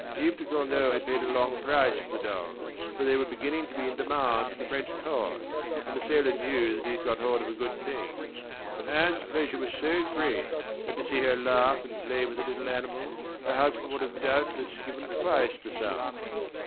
Yves de Cornault had paid a long price for the dog, for they were beginning to be in demand at the French court, and the sailor knew he had got hold of a good thing; but Anne's pleasure was so great that, to see her laugh and play with the little animal, her husband would doubtless have given twice the sum.